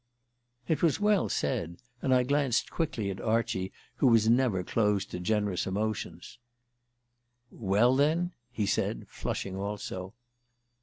It was well said, and I glanced quickly at Archie, who was never closed to generous emotions. "Well, then ?" he said, flushing also.